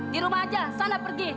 di rumah aja sana pergi